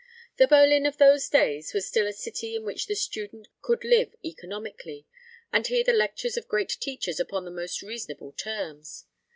The Berlin of those days was still a city in which the student could live economically, and hear the lectures of great teachers upon the most reasonable terms.